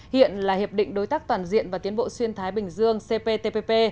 hiện là hiệp định đối tác toàn diện và tiến bộ xuyên thái bình dương cptpp